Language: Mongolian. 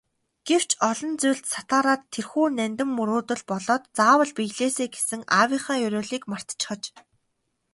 Гэвч олон зүйлд сатаараад тэрхүү нандин мөрөөдөл болоод заавал биелээсэй гэсэн аавынхаа ерөөлийг мартчихаж.